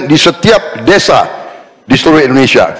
di setiap desa di seluruh indonesia